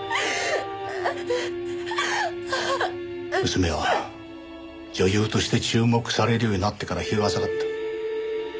娘は女優として注目されるようになってから日が浅かった。